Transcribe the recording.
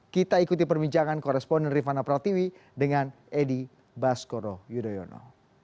kita ikuti perbincangan koresponden rifana pratiwi dengan edi baskoro yudhoyono